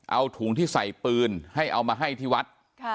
เอาถุงที่ใส่ปืนให้เอามาให้ที่วัด